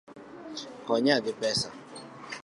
Konya gi pesa